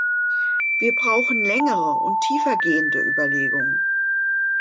Wir brauchen längere und tiefergehende Überlegungen.